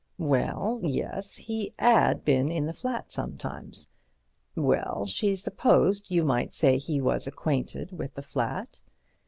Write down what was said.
Well, yes, he 'ad been in the flat sometimes. Well, she supposed you might say he was acquainted with the flat.